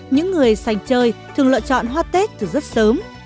những người sành chơi thường lựa chọn hoa tết từ rất sớm